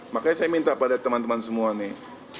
makanya saya minta pada teman teman semua nih